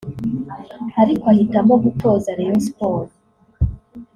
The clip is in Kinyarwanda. ariko ahitamo gutoza Rayon Sports